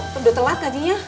tunduk telat gajinya